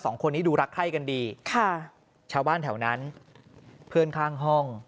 สองคนนี้ดูรักไข้กันดีค่ะชาวบ้านแถวนั้นเพื่อนข้างห้อง